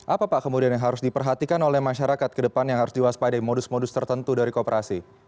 apa pak kemudian yang harus diperhatikan oleh masyarakat ke depan yang harus diwaspadai modus modus tertentu dari kooperasi